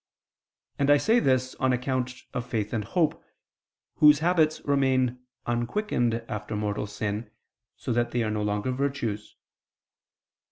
_ And I say [this] on account of faith and hope, whose habits remain unquickened after mortal sin, so that they are no longer virtues.